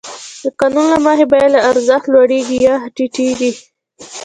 د قانون له مخې بیه له ارزښت لوړېږي یا ټیټېږي